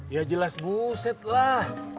ya jelas buset lah